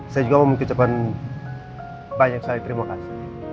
saya juga mau mengucapkan banyak sekali terima kasih